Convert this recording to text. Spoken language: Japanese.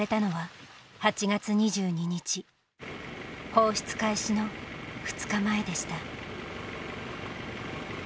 放出開始の２日前でした。